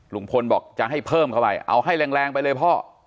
ลุงพลบอกจะให้เพิ่มเข้าไปเอาให้แรงไปเลยพ่อ